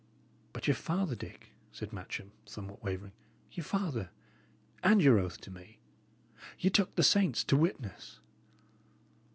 "But your father, Dick?" said Matcham, somewhat wavering. "Your father? and your oath to me? Ye took the saints to witness."